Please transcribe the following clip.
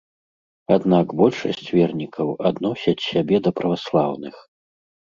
Аднак большасць вернікаў адносяць сябе да праваслаўных.